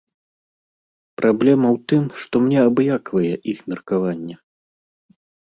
Праблема ў тым, што мне абыякавае іх меркаванне.